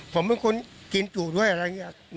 ผมเป็นคนกินจุด้วยอะไรอย่างนี้